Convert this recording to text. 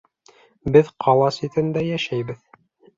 Беҙ ҡала ситендә йәшәйбеҙ